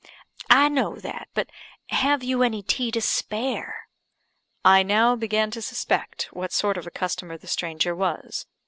"I know that; but have you any tea to spare?" I now began to suspect what sort of a customer the stranger was.